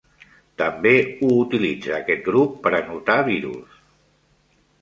També ho utilitza aquest grup per anotar virus.